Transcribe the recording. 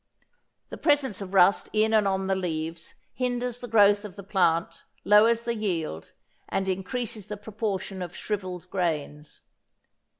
The presence of rust in and on the leaves hinders the growth of the plant, lowers the yield, and increases the proportion of shrivelled grains.